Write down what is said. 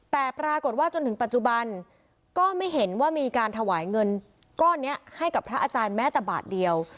แต่ปรากฏว่าจนถึงปัจจุบันก็ไม่เห็นว่ามีการถวายเงินก้อนนี้ให้กับพระอาจารย์แม้แต่บาทเดียว